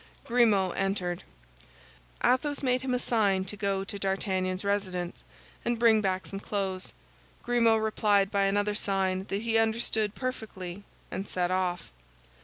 Grimaud entered. Athos made him a sign to go to D'Artagnan's residence, and bring back some clothes. Grimaud replied by another sign that he understood perfectly, and set off.